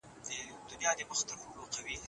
رڼا د تورو رنګ معلوموي.